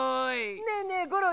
ねえねえゴロリ。